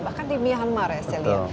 bahkan di myanmar ya saya lihat